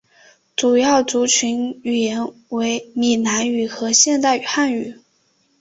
主要族群语言为闽南语和现代汉语。